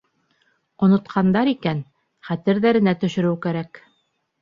Онотҡандар икән — хәтерҙәренә төшөрөү кәрәк.